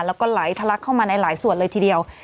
แล้วก็ไหลทะลักเข้ามาในหลายส่วนเลยทีเดียว